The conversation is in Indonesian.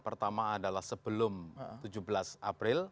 pertama adalah sebelum tujuh belas april